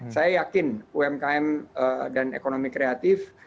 saya yakin umkm dan ekonomi kreatif